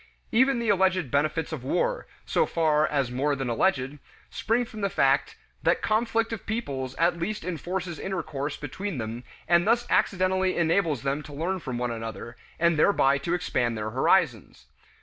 Even the alleged benefits of war, so far as more than alleged, spring from the fact that conflict of peoples at least enforces intercourse between them and thus accidentally enables them to learn from one another, and thereby to expand their horizons.